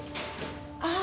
ああ